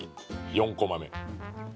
４コマ目。